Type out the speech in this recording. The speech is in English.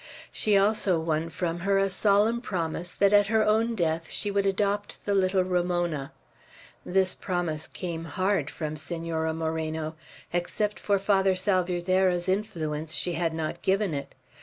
She also won from her a solemn promise that at her own death she would adopt the little Ramona. This promise came hard from Senora Moreno. Except for Father Salvierderra's influence, she had not given it.